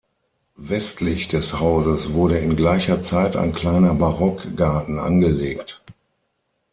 Westlich des Hauses wurde in gleicher Zeit ein kleiner Barockgarten angelegt.